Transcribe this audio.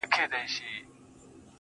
مرم د بې وخته تقاضاوو، په حجم کي د ژوند